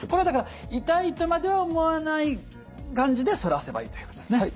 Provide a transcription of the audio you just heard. だから痛いとまでは思わない感じで反らせばいいということですね。